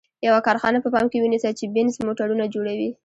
یوه کارخانه په پام کې ونیسئ چې بینز موټرونه جوړوي.